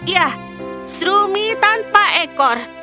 ya srumi tanpa ekor